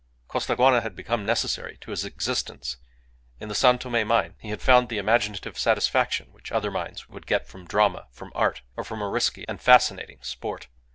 Costaguana had become necessary to his existence; in the San Tome mine he had found the imaginative satisfaction which other minds would get from drama, from art, or from a risky and fascinating sport.